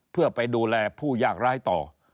เพื่อไปดูแลผู้ยากร้ายต่อ